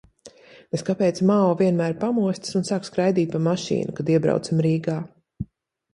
Nez kāpēc Mao vienmēr pamostas un sāk skraidīt pa mašīnu, kad iebraucam Rīgā?